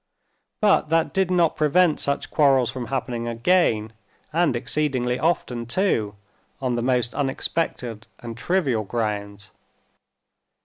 But that did not prevent such quarrels from happening again, and exceedingly often too, on the most unexpected and trivial grounds.